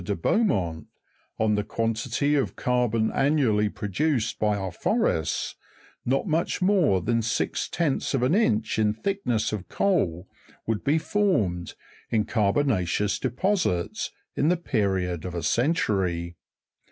de Beaumont, on the quantity of carbon annually produced by our forests, not much more than six tenths of in inch in thickness of coal would be formed, in carbo na'ceous deposits, in the period of a century.